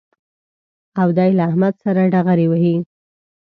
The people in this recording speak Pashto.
او دی له احمد سره ډغرې وهي